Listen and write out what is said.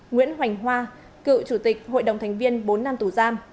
nguyễn hoành hoa cựu chủ tịch hội đồng thành viên bốn năm tù giam